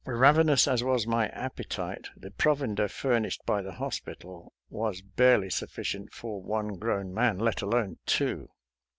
Ravenous as was my appetite, the provender furnished by the hospital was barely sufl&cient for one grown man, let alone two.